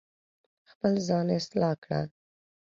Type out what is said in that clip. خپل ځان اصلاح کړه